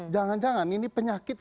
jangan jangan ini penyakit